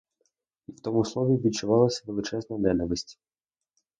І в тому слові відчувалась величезна ненависть.